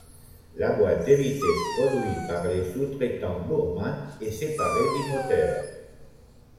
La boîte de vitesse produite par le sous-traitant Burman est séparée du moteur.